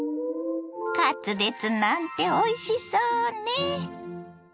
カツレツなんておいしそうね。